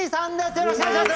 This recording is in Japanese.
よろしくお願いします！